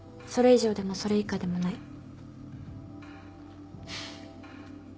それ以上でもそれ以下でもない。